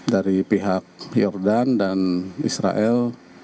dari pihak yordan dan israel